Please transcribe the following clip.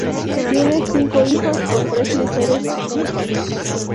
Tiene cinco hijos, con tres mujeres distintas.